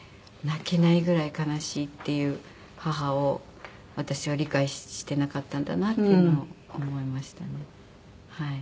泣けないぐらい悲しいっていう母を私は理解してなかったんだなっていうのを思いましたね。